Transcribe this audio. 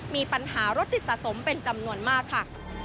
มีปัญหารถติดสะสมเป็นจำนวนมากค่ะ